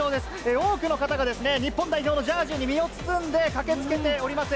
多くの方がですね、日本代表のジャージに身を包んで駆けつけております。